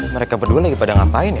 mereka berdua lagi pada ngapain ya